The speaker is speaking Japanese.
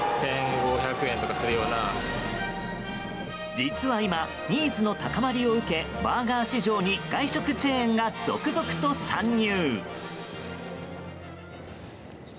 実は今、ニーズの高まりを受けバーガー市場に外食チェーンが続々と参入。